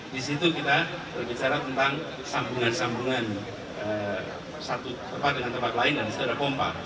di situ kita berbicara tentang sambungan sambungan satu tempat dengan tempat lain dan disitu ada pompa